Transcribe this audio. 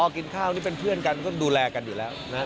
กินข้าวนี่เป็นเพื่อนกันก็ดูแลกันอยู่แล้วนะ